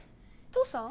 父さん？